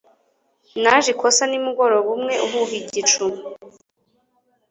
Naje ikosa nimugoroba umwe uhuha igicu